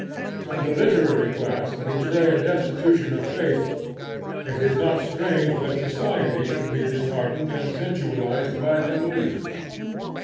When the literary class betray a destitution of faith, it is not strange that society should be disheartened and sensualized by unbelief.